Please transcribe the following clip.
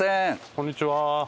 こんにちは。